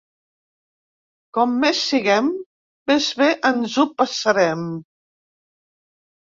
Com més siguem, més bé ens ho passarem.